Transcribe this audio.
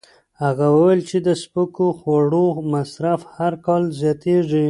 هغه وویل چې د سپکو خوړو مصرف هر کال زیاتېږي.